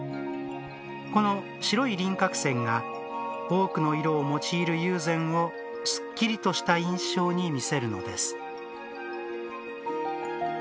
この白い輪郭線が多くの色を用いる友禅をすっきりとした印象に見せるのです。